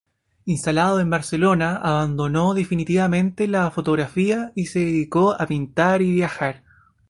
Instalado en Barcelona abandonó definitivamente la fotografía y se dedicó a pintar y viajar.